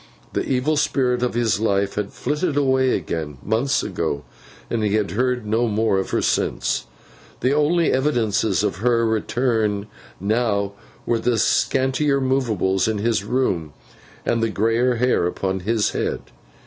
The evil spirit of his life had flitted away again, months ago, and he had heard no more of her since. The only evidence of her last return now, were the scantier moveables in his room, and the grayer hair upon his head.